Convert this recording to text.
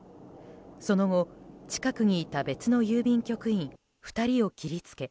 その後、近くにいた別の郵便局員２人を切りつけ